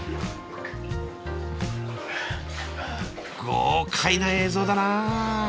豪快な映像だな。